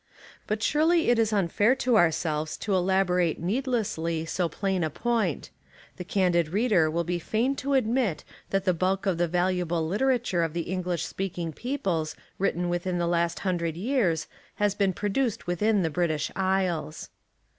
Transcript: But surely it is unfair to ourselves to elaborate needlessly so plain a point. The candid reader will be fain to admit that the bulk of the valuable literature of the English speaking peoples written within the last hundred years has been produced within the British Isles.